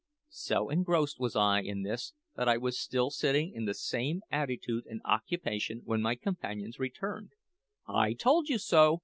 So engrossed was I in this that I was still sitting in the same attitude and occupation when my companions returned. "I told you so!"